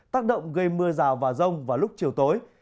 tác động gây mưa rào và rông vào lúc chiều tối